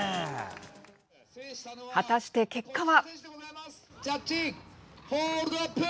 果たして結果は。